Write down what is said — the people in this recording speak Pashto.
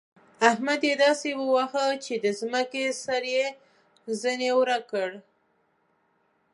احمد يې داسې وواهه چې د ځمکې سر يې ځنې ورک کړ.